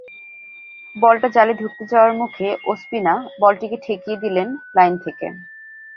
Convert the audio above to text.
বলটা জালে ঢুকতে যাওয়ার মুখে ওসপিনা বলটিকে ঠেকিয়ে দিলেন লাইন থেকে।